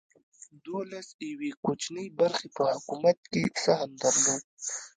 د ولس یوې کوچنۍ برخې په حکومت کې سهم درلود.